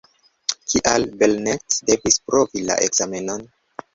Kial Belnett devis provi la ekzamenon?